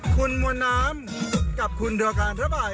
คุณมณำกับขุนโดการดรบัย